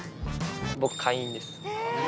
僕、会員です。